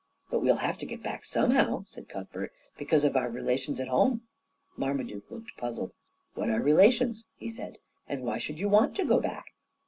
"But we'll have to get back somehow," said Cuthbert, "because of our relations at home." Marmaduke looked puzzled. "What are relations?" he said. "And why should you want to go back?"